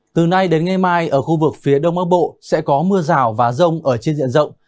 từ nay đến ngày mai ở khu vực phía đông bắc bộ sẽ có mưa rào và rông ở trên diện rộng